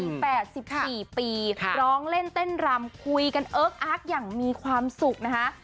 ๘๔ปีร้องเล่นเต้นรำคุยกันเอิ๊กอาร์กอย่างมีความสุขนะคะ